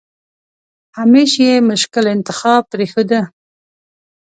همېش یې مشکل انتخاب پرېښوده.